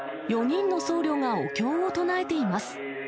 ４人の僧侶がお経を唱えています。